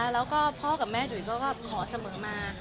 แล้วก็พ่อกับแม่จุ๋ยเขาก็ขอเสมอมา